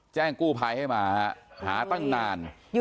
แจ้งกู้ภัยให้มาหาตั้งนาน